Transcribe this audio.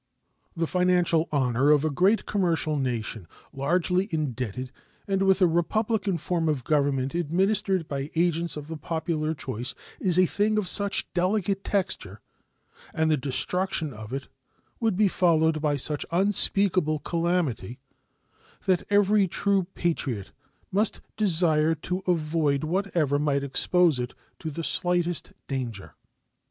The financial honor of a great commercial nation, largely indebted and with a republican form of government administered by agents of the popular choice, is a thing of such delicate texture and the destruction of it would be followed by such unspeakable calamity that every true patriot must desire to avoid whatever might expose it to the slightest danger.